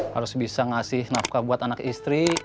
harus bisa ngasih nafkah buat anak istri